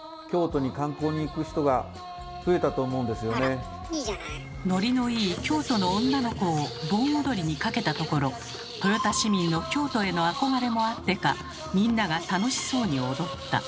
実際「ノリのいい『京都の女の子』を盆踊りにかけたところ豊田市民の京都への憧れもあってかみんなが楽しそうに踊った。